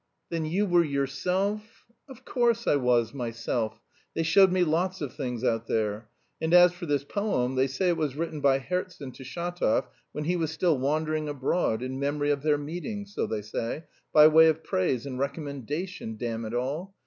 "Then you were yourself..." "Of course I was, myself. They showed me lots of things out there. And as for this poem, they say it was written by Herzen to Shatov when he was still wandering abroad, in memory of their meeting, so they say, by way of praise and recommendation damn it all...